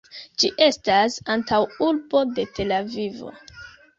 Ĝi estas antaŭurbo de Tel-Avivo.